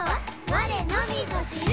「われのみぞ知る」